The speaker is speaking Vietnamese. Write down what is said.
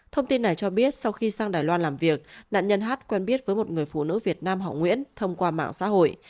thông tin này cho biết sau khi sang đài loan làm việc nạn nhân hát quen biết với một người phụ nữ việt nam họ nguyễn thông qua mạng xã hội